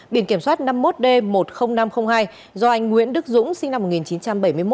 biển kiểm soát năm mươi một d một mươi nghìn năm trăm linh hai do anh nguyễn đức dũng sinh năm một nghìn chín trăm bảy mươi một